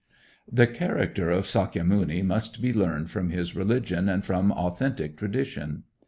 The character of Sakya muni must be learned from his religion and from authentic tradition.